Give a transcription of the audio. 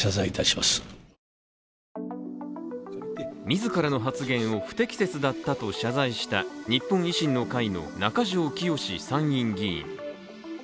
自らの発言を不適切だったと謝罪した日本維新の会の中条きよし参院議員。